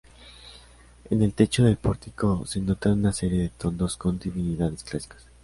En el techo del pórtico se notan una serie de tondos con divinidades clásicas.